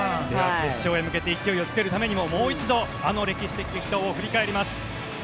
決勝へ向けて勢いをつけるためにももう一度、あの歴史的死闘を振り返ります。